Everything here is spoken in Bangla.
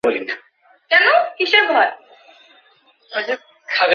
আমি লাইনে আছি।